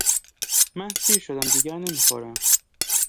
من سیر شدم دیگر نمیخورم